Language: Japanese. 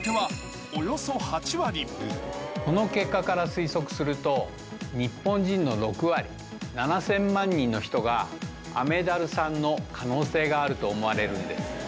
この結果から推測すると、日本人の６割、７０００万人の人が、雨ダルさんの可能性があると思われるんです。